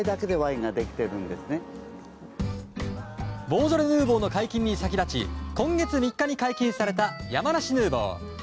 ボージョレ・ヌーボーの解禁に先立ち今月３日に解禁された山梨ヌーボー。